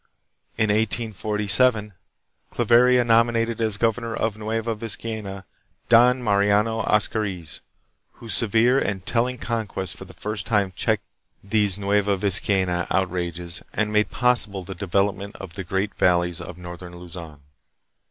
1 In 1847, Claveria nominated as governor of Nueva Vizcaya, Don Mariano Ozcariz, whose severe and telling conquests for the first time checked these Igorot out rages and made possible the development of the great valleys of northern Luzon.